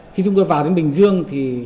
khi chúng tôi vào đến bình dương